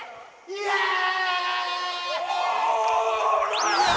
イエーイ！